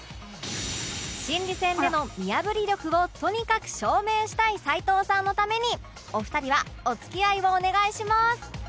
心理戦での見破り力をとにかく証明したい齊藤さんのためにお二人はお付き合いをお願いします